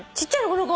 この子。